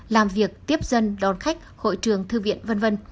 làm việc tiếp dân đón khách hội trường thư viện v v